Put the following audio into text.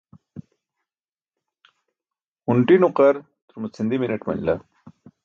hunṭi nuqar turma chindi mineṭ manila